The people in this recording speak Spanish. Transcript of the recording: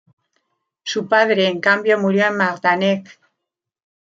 Su padre, en cambio, murió en Majdanek.